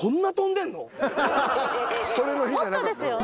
それの比じゃなかった。